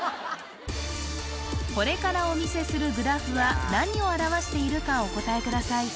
これからお見せするグラフは何を表しているかお答えください